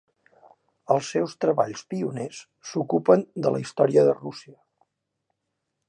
Els seus treballs pioners s'ocupen de la història de Rússia.